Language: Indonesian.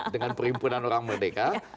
dengan perimpunan orang merdeka